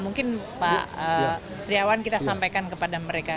mungkin pak triawan kita sampaikan kepada mereka